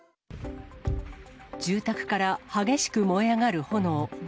住宅から激しく燃え上がる炎。